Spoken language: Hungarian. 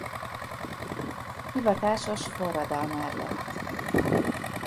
Hivatásos forradalmár lett.